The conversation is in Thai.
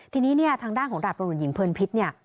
ทีนี้ทางด้านของหลับสนุนหญิงเภิลพิษ